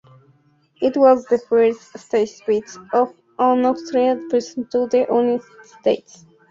It was the first state visit of an Austrian President to the United States.